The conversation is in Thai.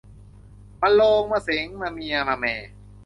มะโรง มะเส็ง มะเมีย มะแม